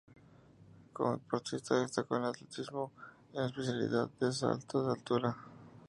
Como deportista destacó en atletismo en la especialidad de salto de altura.